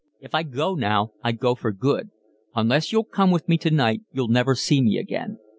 If I go now I go for good. Unless you'll come with me tonight you'll never see me again."